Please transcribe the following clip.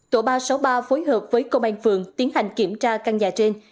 tổ ba trăm sáu mươi ba phối hợp với công an phường tiến hành kiểm tra căn nhà trên